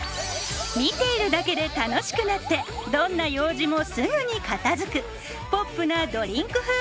見ているだけで楽しくなってどんな用事もすぐに片づくポップなドリンク風